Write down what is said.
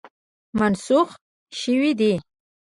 منسوخ شوی دی.